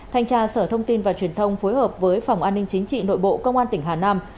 thanh tra sở thông tin và truyền thông phối hợp với phòng an ninh chính trị nội bộ công an tỉnh hà nam